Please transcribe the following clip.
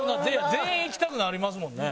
全員いきたくなりますもんね。